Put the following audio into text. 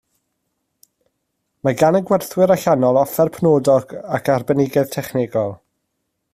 Mae gan y gwerthwyr allanol offer penodol ac arbenigedd technegol